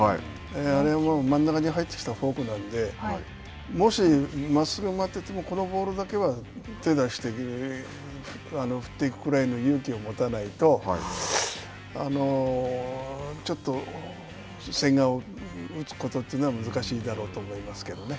あれは、もう真ん中に入ってきたフォークなんでもしまっすぐを待ってても、このボールだけは手を出して振っていくくらいの勇気を持たないとちょっと千賀を打つことというのは難しいだろうと思いますけどね。